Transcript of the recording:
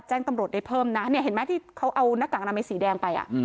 แจ้งตำรวจได้เพิ่มนะเนี่ยเห็นไหมที่เขาเอาหน้ากากอนามัยสีแดงไป